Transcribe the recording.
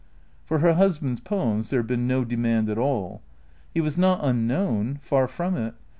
For her husband's poems there had been no demand at all. He was not unknown, far from it.